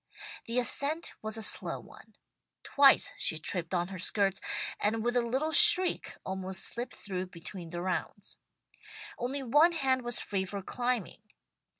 The ascent was a slow one. Twice she tripped on her skirts, and with a little shriek almost slipped through between the rounds. Only one hand was free for climbing.